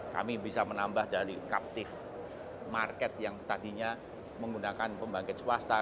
kami bisa menambah dari kaptive market yang tadinya menggunakan pembangkit swasta